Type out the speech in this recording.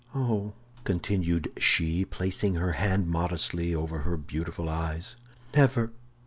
Oh," continued she, placing her hand modestly over her beautiful eyes, "never!